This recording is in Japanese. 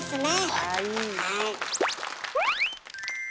はい。